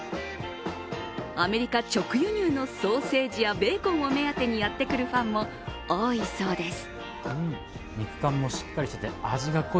アメリカ直輸入のソーセージや、ベーコンを目当てにやってくるファンも多いそうです。